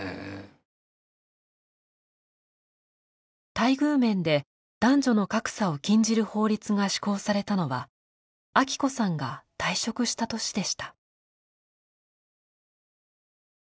待遇面で男女の格差を禁じる法律が施行されたのはアキ子さんが退職した年でした。